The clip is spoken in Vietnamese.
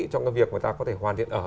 trong cái việc người ta có thể hoàn thiện ở